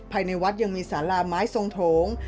ภายในวัดยังมีสาราไม้ทรงโถง